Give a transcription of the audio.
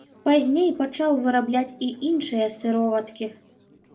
Пазней пачаў вырабляць і іншыя сыроваткі.